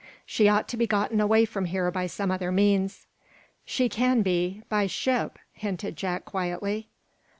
She ought to be gotten away from here by some other means." "She can be by ship," hinted Jack, quietly.